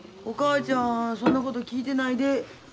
お母ちゃんそんなこと聞いてないで。